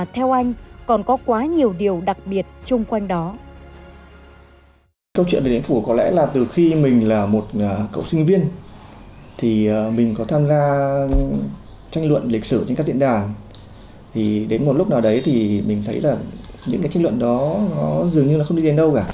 thì đến một lúc nào đấy thì mình thấy là những cái tranh luận đó nó dường như là không đi đến đâu cả